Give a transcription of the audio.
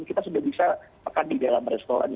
kita sudah bisa makan di dalam baris sekolah